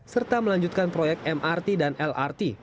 serta melanjutkan proyek mrt dan lrt